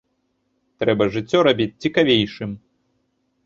Трэба жыццё рабіць цікавейшым.